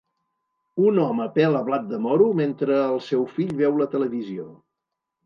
Un home pela blat de moro mentre el seu fill veu la televisió.